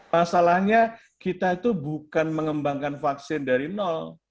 masalahnya kita itu bukan mengembangkan vaksin dari nol